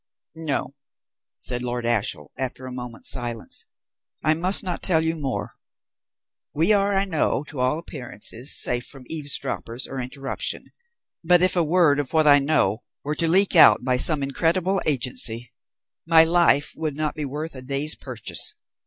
"No," said Lord Ashiel, after a moment's silence, "I must not tell you more. We are, I know, to all appearances, safe from eavesdroppers or interruption; but, if a word of what I know were to leak out by some incredible agency, my life would not be worth a day's purchase.